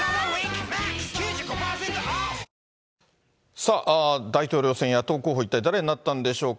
さあ、大統領選、野党候補、一体誰になったんでしょうか。